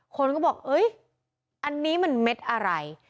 คนก็บอกอันนี้มันเม็ดอะไร